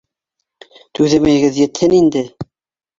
Түҙемегеҙ етһен инде